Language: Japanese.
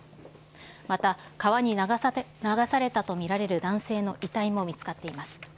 また川に流されたと見られる男性の遺体も見つかっています。